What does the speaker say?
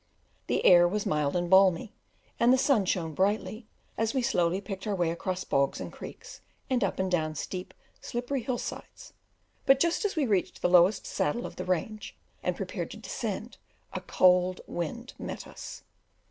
The air was mild and balmy, and the sun shone brightly as we slowly picked our way across bogs and creeks, and up and down steep, slippery hill sides; but just as we reached the lowest saddle of the range and prepared to descend, a cold wind met us.